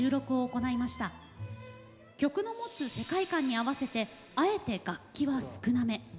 曲の持つ世界観に合わせてあえて楽器は少なめ。